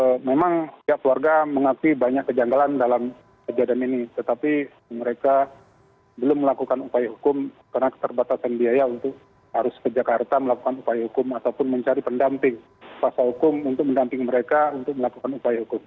jadi memang pihak keluarga mengakti banyak kejanggalan dalam kejadian ini tetapi mereka belum melakukan upaya hukum karena keterbatasan biaya untuk harus ke jakarta melakukan upaya hukum ataupun mencari pendamping pasal hukum untuk mendamping mereka untuk melakukan upaya hukum